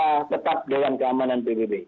anggota tetap doa keamanan pbb